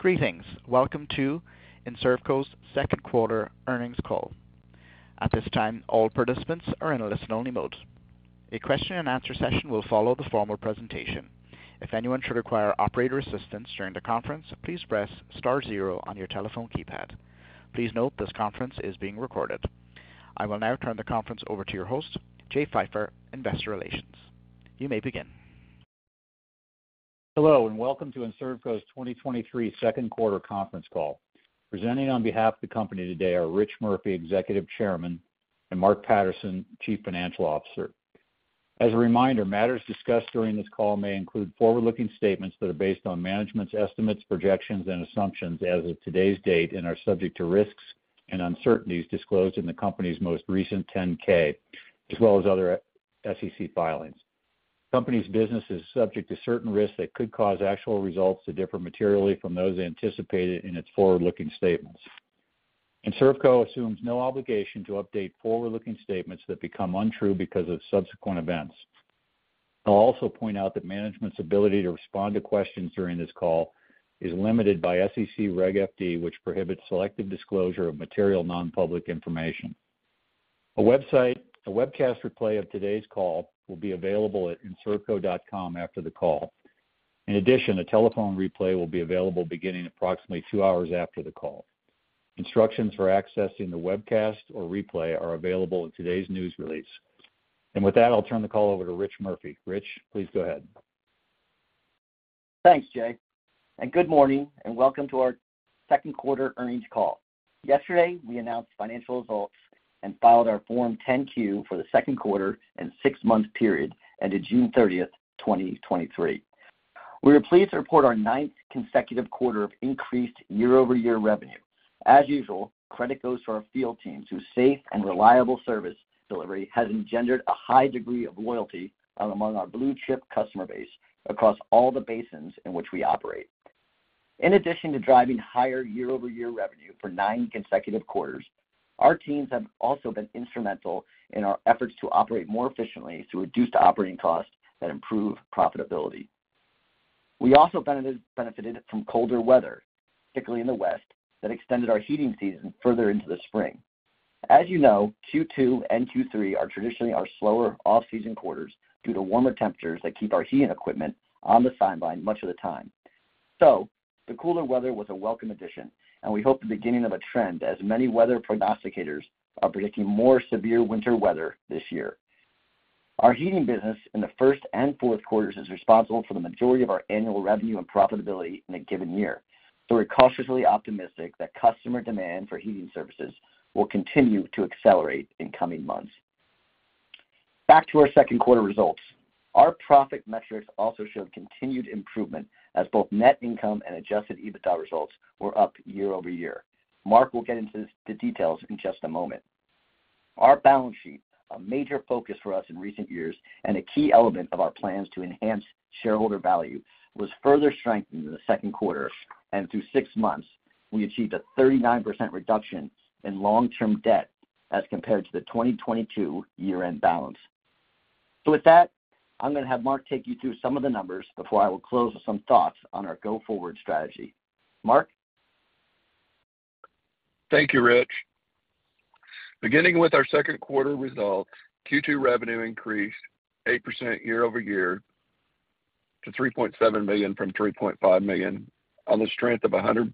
Greetings. Welcome to Enservco's Second Quarter Earnings Call. At this time, all participants are in a listen-only mode. A question and answer session will follow the formal presentation. If anyone should require operator assistance during the conference, please press star zero on your telephone keypad. Please note, this conference is being recorded. I will now turn the conference over to your host, Jay Pfeiffer, Investor Relations. You may begin. Hello, and welcome to Enservco's 2023 second quarter conference call. Presenting on behalf of the company today are Rich Murphy, Executive Chairman, and Mark Patterson, Chief Financial Officer. As a reminder, matters discussed during this call may include forward-looking statements that are based on management's estimates, projections, and assumptions as of today's date and are subject to risks and uncertainties disclosed in the company's most recent 10-K, as well as other SEC filings. Company's business is subject to certain risks that could cause actual results to differ materially from those anticipated in its forward-looking statements. Enservco assumes no obligation to update forward-looking statements that become untrue because of subsequent events. I'll also point out that management's ability to respond to questions during this call is limited by SEC Regulation FD, which prohibits selective disclosure of material, non-public information. A webcast replay of today's call will be available at enservco.com after the call. In addition, a telephone replay will be available beginning approximately two hours after the call. Instructions for accessing the webcast or replay are available in today's news release. With that, I'll turn the call over to Rich Murphy. Rich, please go ahead. Thanks, Jay, good morning, and welcome to our second quarter earnings call. Yesterday, we announced financial results and filed our Form 10-Q for the second quarter and six-month period ended June 30, 2023. We are pleased to report our ninth consecutive quarter of increased year-over-year revenue. As usual, credit goes to our field teams, whose safe and reliable service delivery has engendered a high degree of loyalty among our blue-chip customer base across all the basins in which we operate. In addition to driving higher year-over-year revenue for nine consecutive quarters, our teams have also been instrumental in our efforts to operate more efficiently to reduce operating costs and improve profitability. We also benefited from colder weather, particularly in the West, that extended our heating season further into the spring. As you know, Q2 and Q3 are traditionally our slower off-season quarters due to warmer temperatures that keep our heating equipment on the sideline much of the time. The cooler weather was a welcome addition, and we hope the beginning of a trend as many weather prognosticators are predicting more severe winter weather this year. Our heating business in the first and fourth quarters is responsible for the majority of our annual revenue and profitability in a given year. We're cautiously optimistic that customer demand for heating services will continue to accelerate in coming months. Back to our second quarter results. Our profit metrics also showed continued improvement as both net income and adjusted EBITDA results were up year-over-year. Mark will get into the details in just a moment. Our balance sheet, a major focus for us in recent years and a key element of our plans to enhance shareholder value, was further strengthened in the second quarter, and through six months, we achieved a 39% reduction in long-term debt as compared to the 2022 year-end balance. With that, I'm gonna have Mark take you through some of the numbers before I will close with some thoughts on our go-forward strategy. Mark? Thank you, Rich. Beginning with our second quarter results, Q2 revenue increased 8% year-over-year to $3.7 million from $3.5 million on the strength of a 147%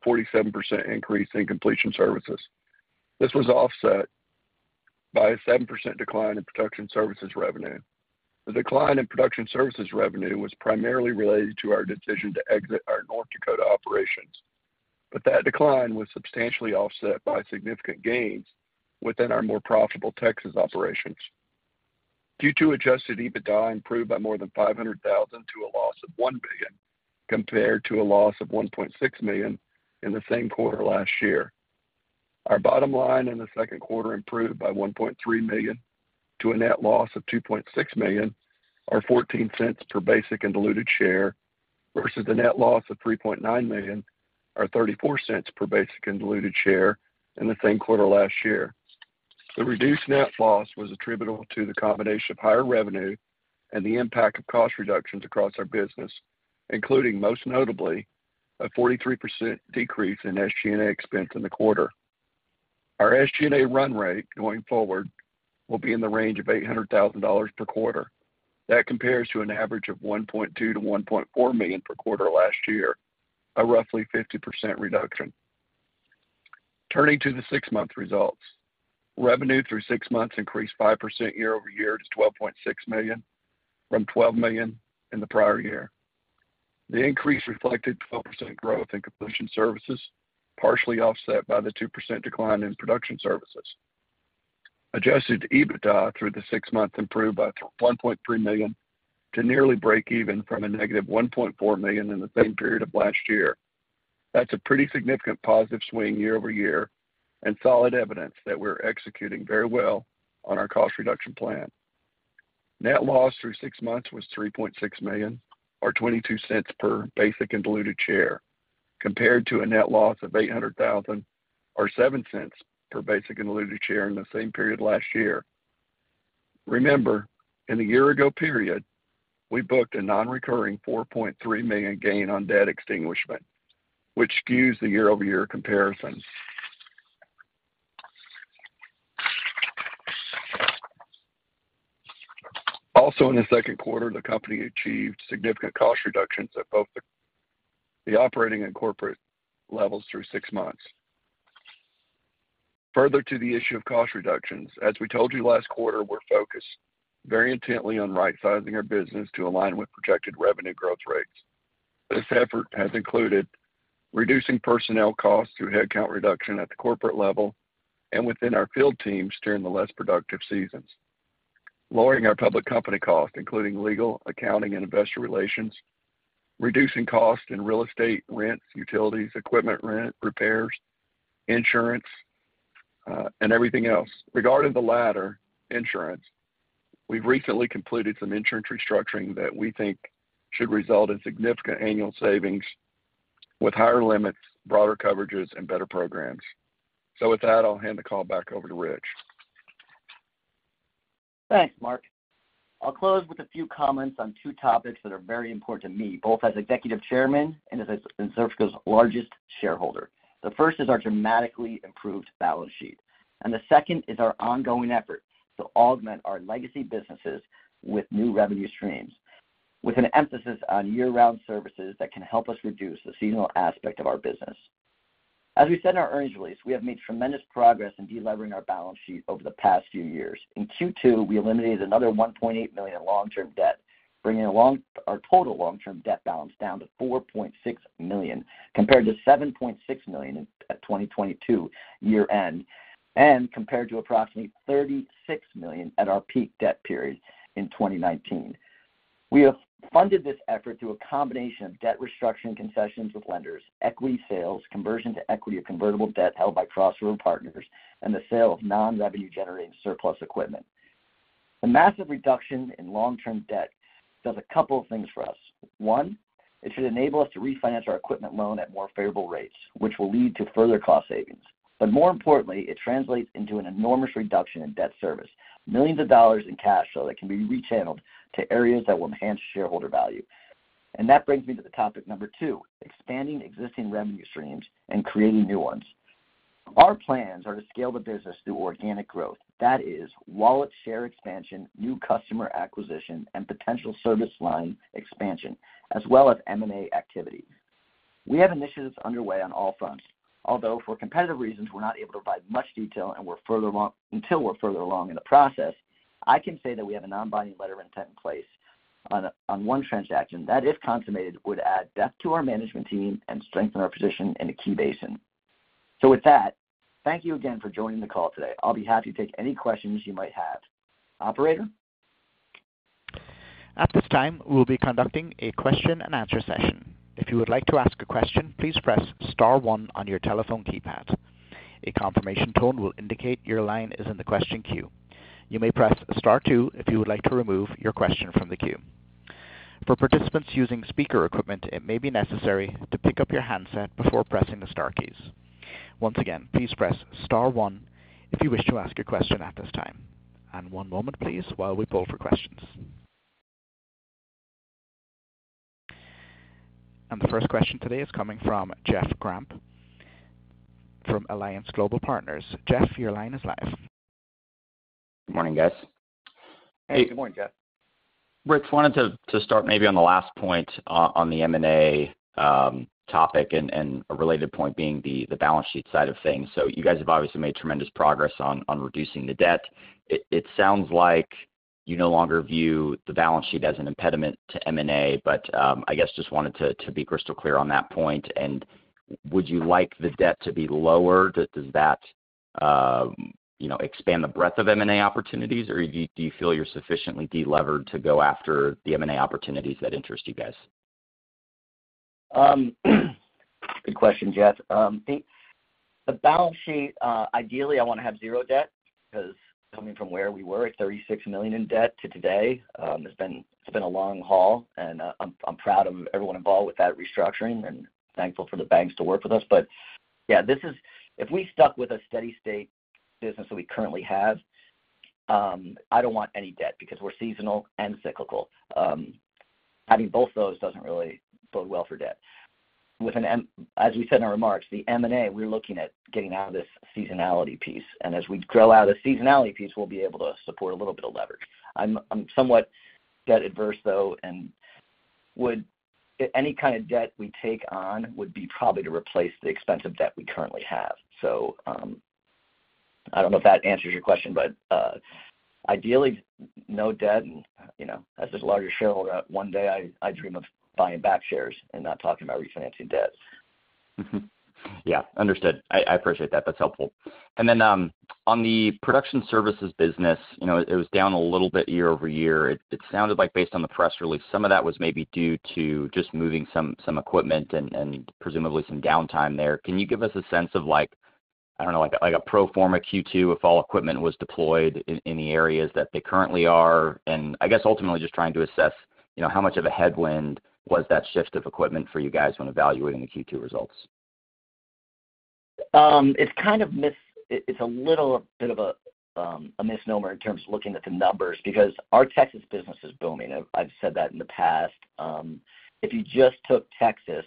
increase in completion services. This was offset by a 7% decline in production services revenue. The decline in production services revenue was primarily related to our decision to exit our North Dakota operations, that decline was substantially offset by significant gains within our more profitable Texas operations. Q2 adjusted EBITDA improved by more than $500,000 to a loss of $1 million, compared to a loss of $1.6 million in the same quarter last year. Our bottom line in the second quarter improved by $1.3 million to a net loss of $2.6 million, or $0.14 per basic and diluted share, versus the net loss of $3.9 million, or $0.34 per basic and diluted share in the same quarter last year. The reduced net loss was attributable to the combination of higher revenue and the impact of cost reductions across our business, including, most notably, a 43% decrease in SG&A expense in the quarter. Our SG&A run rate going forward will be in the range of $800,000 per quarter. That compares to an average of $1.2 million-$1.4 million per quarter last year, a roughly 50% reduction. Turning to the six-month results. Revenue through six months increased 5% year-over-year to $12.6 million from $12 million in the prior year. The increase reflected 12% growth in completion services, partially offset by the 2% decline in production services. Adjusted EBITDA through the six months improved by $1.3 million to nearly break even from a negative $1.4 million in the same period of last year. That's a pretty significant positive swing year-over-year and solid evidence that we're executing very well on our cost reduction plan. Net loss through six months was $3.6 million, or $0.22 per basic and diluted share, compared to a net loss of $800,000, or $0.07 per basic and diluted share in the same period last year. Remember, in the year-ago period, we booked a nonrecurring $4.3 million gain on debt extinguishment, which skews the year-over-year comparison. Also, in the second quarter, the company achieved significant cost reductions at both the operating and corporate levels through six months. Further to the issue of cost reductions, as we told you last quarter, we're focused very intently on right-sizing our business to align with projected revenue growth rates. This effort has included reducing personnel costs through headcount reduction at the corporate level and within our field teams during the less productive seasons. Lowering our public company cost, including legal, accounting, and Investor Relations. Reducing costs in real estate, rents, utilities, equipment rent, repairs, insurance, and everything else. Regarding the latter, insurance, we've recently completed some insurance restructuring that we think should result in significant annual savings with higher limits, broader coverages, and better programs. With that, I'll hand the call back over to Rich. Thanks, Mark. I'll close with a few comments on two topics that are very important to me, both as Executive Chairman and as Enservco's largest shareholder. The first is our dramatically improved balance sheet, and the second is our ongoing effort to augment our legacy businesses with new revenue streams, with an emphasis on year-round services that can help us reduce the seasonal aspect of our business. As we said in our earnings release, we have made tremendous progress in delevering our balance sheet over the past few years. In Q2, we eliminated another $1.8 million in long-term debt, bringing our total long-term debt balance down to $4.6 million, compared to $7.6 million at 2022 year-end, and compared to approximately $36 million at our peak debt period in 2019. We have funded this effort through a combination of debt restructuring, concessions with lenders, equity sales, conversion to equity, or convertible debt held by Cross River Partners, and the sale of non-revenue generating surplus equipment. The massive reduction in long-term debt does a couple of things for us. One, it should enable us to refinance our equipment loan at more favorable rates, which will lead to further cost savings. More importantly, it translates into an enormous reduction in debt service. Millions of dollars in cash flow that can be rechanneled to areas that will enhance shareholder value. That brings me to the topic number two, expanding existing revenue streams and creating new ones. Our plans are to scale the business through organic growth. That is, wallet share expansion, new customer acquisition, and potential service line expansion, as well as M&A activity. We have initiatives underway on all fronts, although, for competitive reasons, we're not able to provide much detail until we're further along in the process. I can say that we have a non-binding letter intent in place on one transaction that, if consummated, would add depth to our management team and strengthen our position in a key basin. With that, thank you again for joining the call today. I'll be happy to take any questions you might have. Operator? At this time, we'll be conducting a question and answer session. If you would like to ask a question, please press star one on your telephone keypad. A confirmation tone will indicate your line is in the question queue. You may press star two if you would like to remove your question from the queue. For participants using speaker equipment, it may be necessary to pick up your handset before pressing the star keys. Once again, please press star one if you wish to ask a question at this time. One moment, please, while we pull for questions. The first question today is coming from Jeff Grampp from Alliance Global Partners. Jeff, your line is live. Good morning, guys. Good morning, Jeff. Rich, wanted to, to start maybe on the last point, on the M&A topic and, and a related point being the, the balance sheet side of things. You guys have obviously made tremendous progress on, on reducing the debt. It, it sounds like you no longer view the balance sheet as an impediment to M&A, but, I guess just wanted to, to be crystal clear on that point. Would you like the debt to be lower? Does that, you know, expand the breadth of M&A opportunities, or do you, do you feel you're sufficiently delevered to go after the M&A opportunities that interest you guys? Good question, Jeff. The, the balance sheet, ideally, I want to have zero debt, 'cause coming from where we were at $36 million in debt to today, it's been, it's been a long haul, and I'm proud of everyone involved with that restructuring and thankful for the banks to work with us. Yeah, if we stuck with a steady state business that we currently have, I don't want any debt because we're seasonal and cyclical. Having both those doesn't really bode well for debt. As we said in our remarks, the M&A, we're looking at getting out of this seasonality piece, and as we grow out of the seasonality piece, we'll be able to support a little bit of leverage. I'm somewhat debt averse, though. Any kind of debt we take on would be probably to replace the expensive debt we currently have. I don't know if that answers your question, but ideally, no debt and, you know, as this larger shareholder, one day I, I dream of buying back shares and not talking about refinancing debts. Yeah, understood. I, I appreciate that. That's helpful. Then, on the production services business, you know, it was down a little bit year-over-year. It, it sounded like based on the press release, some of that was maybe due to just moving some, some equipment and, and presumably some downtime there. Can you give us a sense of like, I don't know, like a, like a pro forma Q2, if all equipment was deployed in, in the areas that they currently are? I guess ultimately just trying to assess, you know, how much of a headwind was that shift of equipment for you guys when evaluating the Q2 results?... It's kind of it, it's a little bit of a misnomer in terms of looking at the numbers, because our Texas business is booming. I've, I've said that in the past. If you just took Texas,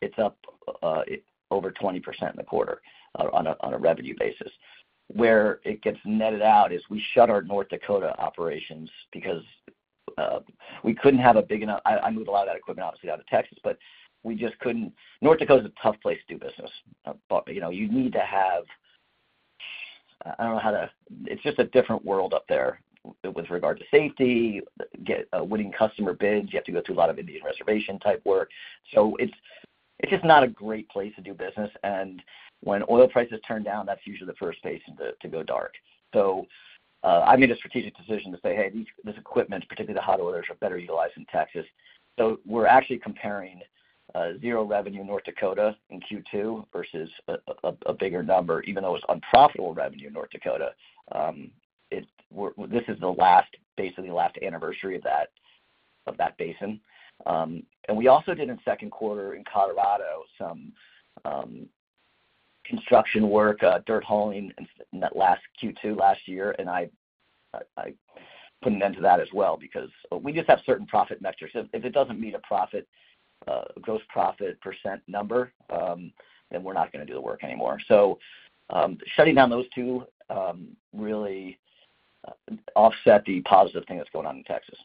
it's up over 20% in the quarter on a revenue basis. Where it gets netted out is we shut our North Dakota operations because we couldn't have a big enough... I, I moved a lot of that equipment, obviously, out of Texas, but we just couldn't. North Dakota is a tough place to do business. You know, you need to have, I don't know how to. It's just a different world up there with regard to safety, get winning customer bids, you have to go through a lot of Indian reservation type work. It's, it's just not a great place to do business, and when oil prices turn down, that's usually the first place to, to go dark. I made a strategic decision to say, "Hey, these, this equipment, particularly the hot oilers, are better utilized in Texas." We're actually comparing zero revenue in North Dakota in Q2 versus a, a, a bigger number, even though it's unprofitable revenue in North Dakota. We're, this is the last, basically the last anniversary of that, of that basin. We also did in second quarter in Colorado, some construction work, dirt hauling in that last Q2 last year, and I put an end to that as well, because we just have certain profit metrics. If, if it doesn't meet a profit, gross profit percent number, then we're not going to do the work anymore. Shutting down those two, really offset the positive thing that's going on in Texas.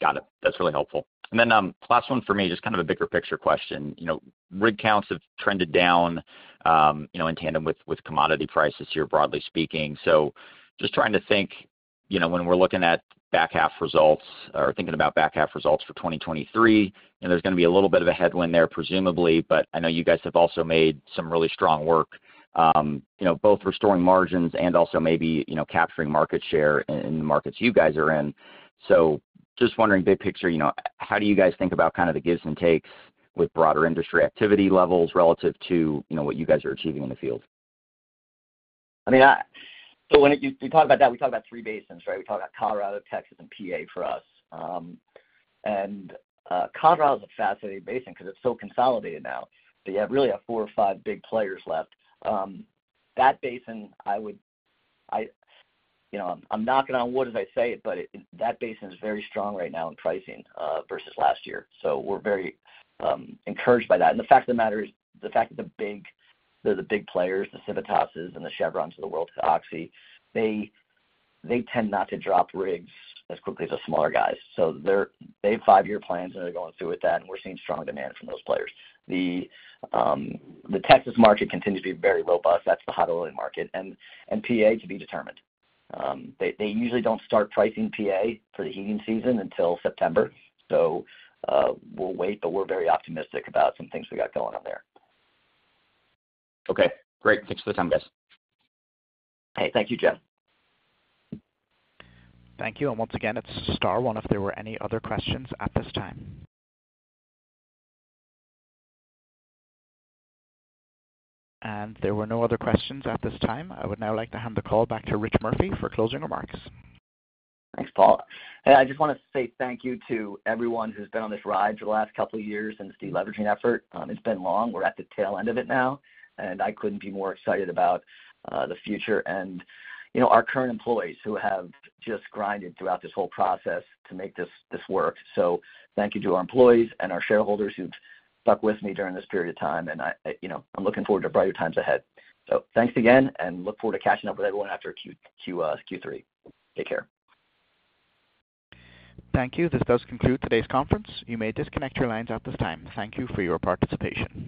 Got it. That's really helpful. Then, last one for me, just kind of a bigger picture question. You know, rig counts have trended down, you know, in tandem with, with commodity prices here, broadly speaking. Just trying to think, you know, when we're looking at back half results or thinking about back half results for 2023, and there's going to be a little bit of a headwind there, presumably, but I know you guys have also made some really strong work, you know, both restoring margins and also maybe, you know, capturing market share in, in the markets you guys are in. Just wondering, big picture, you know, how do you guys think about kind of the gives and takes with broader industry activity levels relative to, you know, what you guys are achieving in the field? I mean, I-- so when you, you talk about that, we talk about three basins, right? We talk about Colorado, Texas, and PA for us. Colorado is a fascinating basin because it's so consolidated now, but you have really have four or five big players left. That basin, I would-- I, you know, I'm knocking on wood as I say it, but it, that basin is very strong right now in pricing versus last year. We're very encouraged by that. And the fact of the matter is, the fact that the big, the, the big players, the Civitas and the Chevrons of the world, Oxy, they, they tend not to drop rigs as quickly as the smaller guys. They're-- they have five-year plans, and they're going through with that, and we're seeing strong demand from those players. The Texas market continues to be very robust. That's the hot oiling market, and PA to be determined. They usually don't start pricing PA for the heating season until September, so we'll wait, but we're very optimistic about some things we got going on there. Okay, great. Thanks for the time, guys. Hey, thank you, Jeff. Thank you. Once again, it's star one if there were any other questions at this time. There were no other questions at this time. I would now like to hand the call back to Rich Murphy for closing remarks. Thanks, Paul. Hey, I just want to say thank you to everyone who's been on this ride for the last couple of years in this deleveraging effort. It's been long. We're at the tail end of it now. I couldn't be more excited about the future and, you know, our current employees who have just grinded throughout this whole process to make this work. Thank you to our employees and our shareholders who've stuck with me during this period of time. I, you know, I'm looking forward to brighter times ahead. Thanks again, and look forward to catching up with everyone after Q3. Take care. Thank you. This does conclude today's conference. You may disconnect your lines at this time. Thank you for your participation.